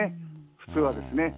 普通はですね。